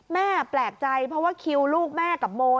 แม่แปลกใจเพราะว่าคิวลูกแม่กับโม